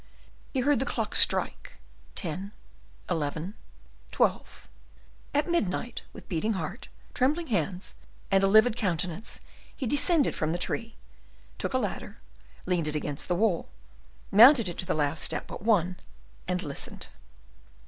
He heard the clock strike ten, eleven, twelve. At midnight, with a beating heart, trembling hands, and a livid countenance, he descended from the tree, took a ladder, leaned it against the wall, mounted it to the last step but one, and listened.